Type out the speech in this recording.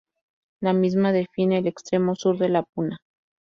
La misma define el extremo sur de la Puna.